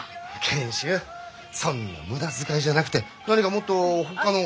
賢秀そんな無駄遣いじゃなくて何かもっとほかの。